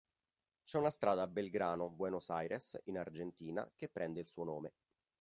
C'è una strada a Belgrano, Buenos Aires, in Argentina, che prende il suo nome.